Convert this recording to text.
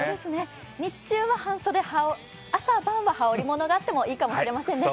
日中は半袖、朝晩は羽織物があってもいいかもしれませんね。